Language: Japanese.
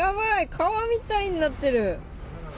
川みたいになってる。